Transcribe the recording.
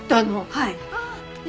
はい。